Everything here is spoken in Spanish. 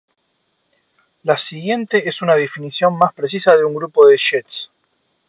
La siguiente es una definición más precisa de un grupo de jets.